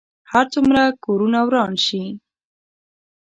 هر څومره کورونه وران شي.